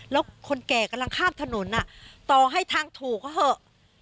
แล้วคนแก่กำลังข้ามถนนต่อให้ทางถูกก็เถอะ